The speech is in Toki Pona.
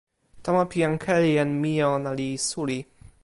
tomo pi jan Keli en mije ona li suli.